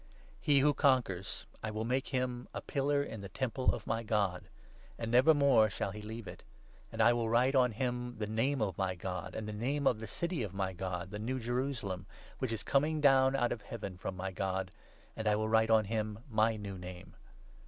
He who conquers — I will make him a pillar in 12 the Temple of my God ; and never more shall he leave it ; and I will write on him the name of my God and the name of the City of my God, the New Jerusalem, which is coming down out of Heaven from my God, and I will write on him my new name.